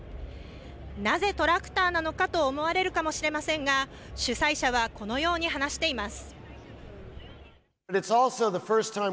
なぜトラクターなのかと思われるかもしれませんが、主催者はこのように話しています。